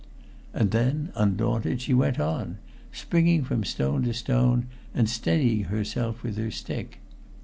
And then, undaunted, she went on, springing from stone to stone and steadying herself with her stick.